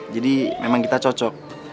jadi memang kita cocok